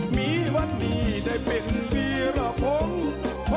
มีวันนี้ได้เป็นวีรพงศ์